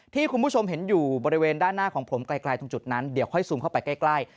ที่คุณผู้ชมเห็นอยู่บริเวณด้านหน้าของผมไกลตรงจุดนั้นเดี๋ยวค่อยซูมเข้าไปใกล้